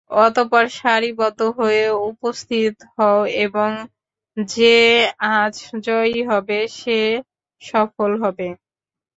অতঃপর সারিবদ্ধ হয়ে উপস্থিত হও এবং যে আজ জয়ী হবে সে সফল হবে।